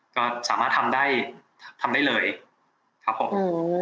ก็สามารถทำได้ทำได้เลยครับผม